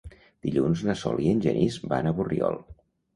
Dilluns na Sol i en Genís van a Borriol.